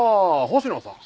星野さん